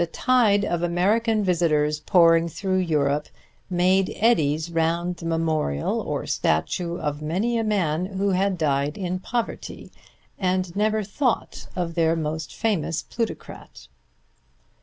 The tide of American visitors pouring through Europe made eddies round the memorial or statue of many a man who had died in poverty; and never thought of their most famous plutocrat.